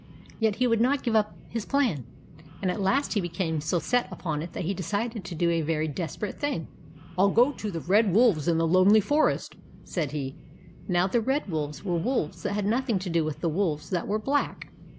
Yet he would not give up his plan ; and at last he became so set upon it, that he decided to do a very desperate thing. " 1 11 go to the Red Wolves in the Lonely Forest !" said he. Now the Red Wolves were wolves that had nothing to do with the wolves that were black.